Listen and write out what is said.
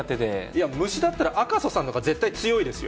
いや、虫だったら、絶対赤楚さんのほうが絶対強いですよ。